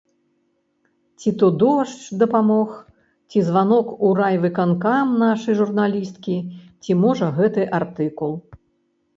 Ці то дождж дапамог, ці званок у райвыканкам нашай журналісткі, ці можа гэты артыкул.